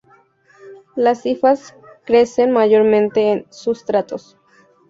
Las hifas crecen mayormente en sustratos.